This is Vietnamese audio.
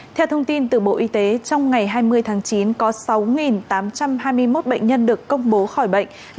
theo thông tin từ bộ y tế trong ngày hai mươi tháng chín có sáu tám trăm hai mươi một bệnh nhân được công bố khỏi bệnh